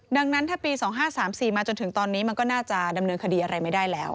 ดังนั้นถ้าปี๒๕๓๔มาจนถึงตอนนี้มันก็น่าจะดำเนินคดีอะไรไม่ได้แล้ว